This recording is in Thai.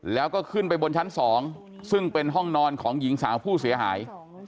แล้วก็ขึ้นไปบนชั้น๒ซึ่งเป็นห้องนอนของหญิงสาวผู้เสียหาย